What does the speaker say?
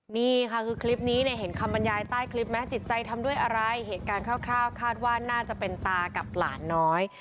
นี่ค่ะคือคลิปนี้เนี่ยเห็นคำบรรยายใต้คลิปไหมจิตใจทำด้วยอะไรเหตุการณ์คร่าวคาดว่าน่าจะเป็นตากับหลานน้อย